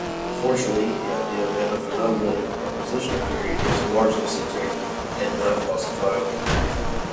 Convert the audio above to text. Unfortunately, the idea of epiphenomena in propositional theory is largely subjective and not falsifiable.